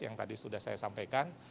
yang tadi sudah saya sampaikan